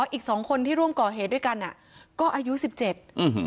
อีกสองคนที่ร่วมก่อเหตุด้วยกันอ่ะก็อายุสิบเจ็ดอืม